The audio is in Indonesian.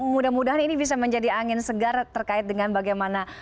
mudah mudahan ini bisa menjadi angin segar terkait dengan bagaimana